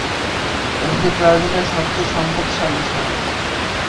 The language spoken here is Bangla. এটি ব্রাজিলের সবচেয়ে সম্পদশালী শহর।